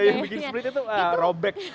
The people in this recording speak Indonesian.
iya yang bikin split itu robek